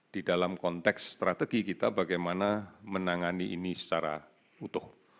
di dalam konteks strategi kita bagaimana menangani ini secara utuh